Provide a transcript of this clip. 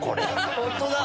本当だ！